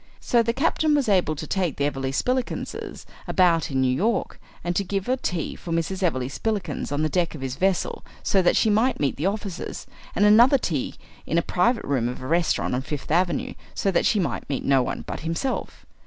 So the captain was able to take the Everleigh Spillikinses about in New York, and to give a tea for Mrs. Everleigh Spillikins on the deck of his vessel so that she might meet the officers, and another tea in a private room of a restaurant on Fifth Avenue so that she might meet no one but himself.